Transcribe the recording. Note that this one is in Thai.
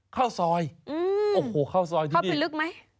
ข้าวซอยโอ้โหข้าวซอยจริงเข้าไปลึกไหม